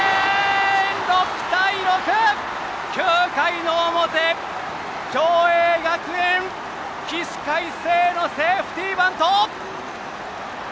６対６！９回の表、共栄学園起死回生のセーフティーバント！